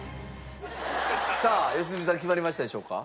さあ良純さん決まりましたでしょうか？